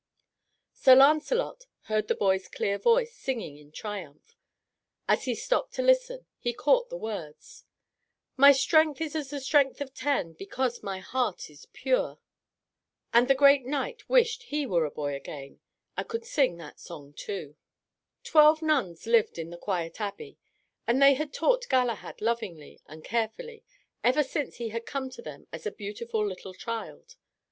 Sir Lancelot heard the boy's clear voice singing in triumph. As he stopped to listen, he caught the words, "My strength is as the strength of ten, Because my heart is pure," and the great knight wished he were a boy again, and could sing that song too. [Illustration: SIR GALAHAD.] Twelve nuns lived in the quiet abbey, and they had taught Galahad lovingly and carefully, ever since he had come to them as a beautiful little child.